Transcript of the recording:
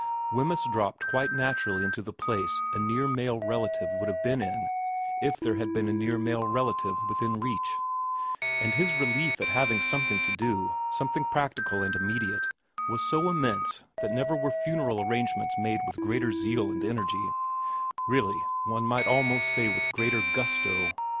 Wemyss dropped quite naturally into the place a 22 ra VERA 23 near male relative would have been in if there had been a near male relative within reach ; and his relief at having something to do, something practical and immediate, was so immense that never were funeral arrangements made with greater zeal and energy, really one might almost say with greater gusto.